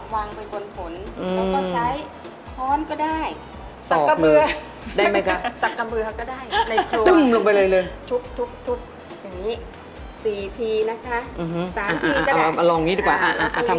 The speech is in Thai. ไม่จะมานั่งฟันอะไรแบบนี้นะครับ